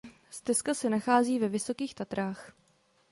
Stezka se nachází ve Vysokých Tatrách.